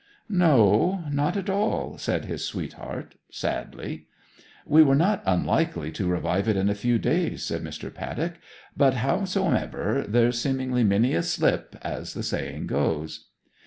'No, not at all!' said his sweetheart, sadly. 'We were not unlikely to revive it in a few days,' said Mr. Paddock. 'But, howsomever, there's seemingly many a slip, as the saying is.'